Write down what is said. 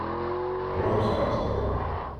Joan Sastre